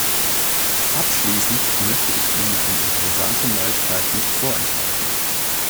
Abschließend möchte ich Ihnen eine interessante Neuigkeit nicht vorenthalten.